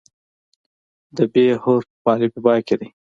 د "ب" حرف په الفبا کې دی.